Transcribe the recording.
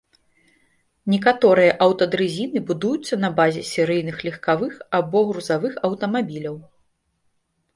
Некаторыя аўтадрызіны будуюцца на базе серыйных легкавых або грузавых аўтамабіляў.